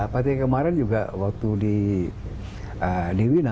partai kemarin juga waktu di wina